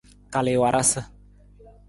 Kal i warasa.